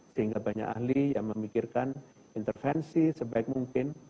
sehingga banyak ahli yang memikirkan intervensi sebaik mungkin